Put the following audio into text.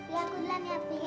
ya aku jam siap nih ya